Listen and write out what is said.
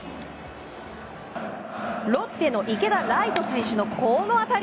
ロッテの池田来翔選手のこの当たり。